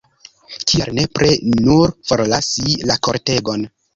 Kial nepre nun forlasi la kortegon?